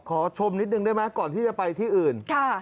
ชมนิดนึงได้ไหมก่อนที่จะไปที่อื่น